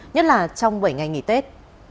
nhất là trong bảy ngày nghỉ tết